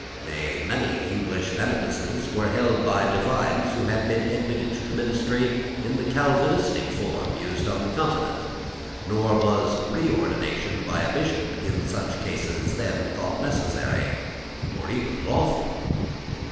Nay, many English benefices were held by divines who had been admitted to the ministry in the Calvinistic form used on the Continent; nor was reordination by a Bishop in such cases then thought necessary, or even lawful.